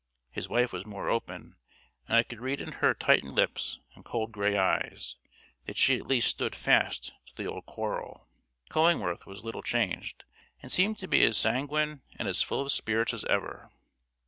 His wife was more open; and I could read in her tightened lips and cold grey eyes, that she at least stood fast to the old quarrel. Cullingworth was little changed, and seemed to be as sanguine and as full of spirits as ever.